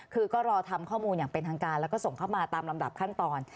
คือก็รอทำข้อมูลอย่างเป็นทางการแล้วก็ส่งเข้ามาตามลำดับขั้นตอน